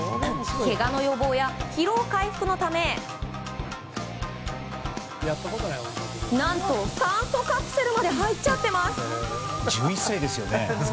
けがの予防や疲労回復のため何と酸素カプセルまで入っちゃってます。